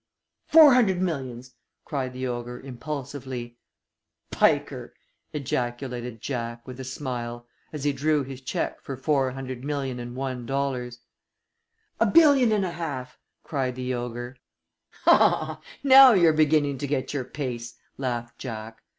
"Four hundred millions!" cried the ogre, impulsively. "Piker!" ejaculated Jack, with a smile, as he drew his check for $400,000,001. "A billion and a half!" cried the ogre. "Now you're beginning to get your pace," laughed Jack.